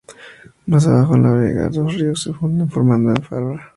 Más abajo, en la vega, los dos ríos se funden formando el Alfambra.